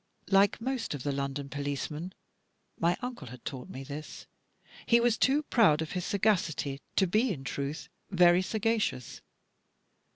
Like most of the London policemen my Uncle had taught me this he was too proud of his sagacity to be in truth very sagacious.